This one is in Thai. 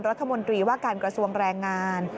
รัฐมนตรีว่าการกระทรวงแรงงาน